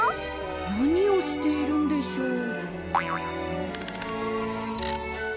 なにをしているんでしょう？